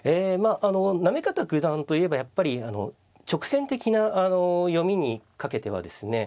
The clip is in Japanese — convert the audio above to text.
あの行方九段といえばやっぱり直線的な読みにかけてはですね